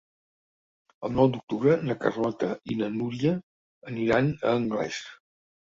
El nou d'octubre na Carlota i na Núria aniran a Anglès.